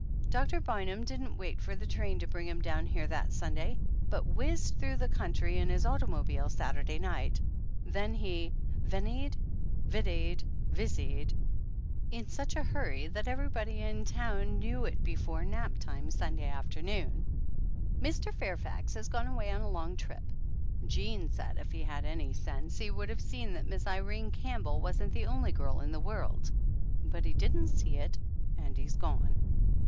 Doctor Bynum didn't wait for the train to bring him down here that Sunday, but whizzed through the country in his automo bile Saturday night. Then he "venied, vidied, vicied" in such a hurry that everybody in town 250 THE ANNALS OF ANN knew it before nap time Sunday afternoon. Mr. Fairfax has gone away on a long trip. Jean said if he had had any sense he would have seen that Miss Irene Campbell wasn't the only girl in the world, but he didn't see it and he's gone.